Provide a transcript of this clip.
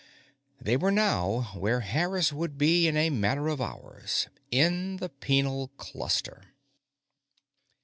They were now where Harris would be in a matter of hours in the Penal Cluster.